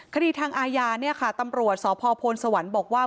คดีทางอาญาเนี่ยค่ะตำรวจสพพลสวรรค์บอกว่า